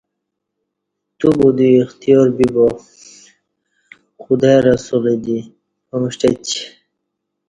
توبدوی اختیار بیا خدا ی رسولہ دی پمݜٹچی